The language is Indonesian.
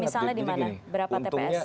misalnya di mana berapa tps